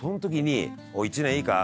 「１年いいか？